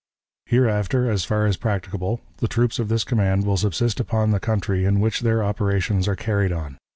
"Hereafter, as far as practicable, the troops of this command will subsist upon the country in which their operations are carried on.